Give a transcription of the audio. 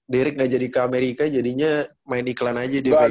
derick ga jadi ke amerika jadinya main iklan aja dia pengennya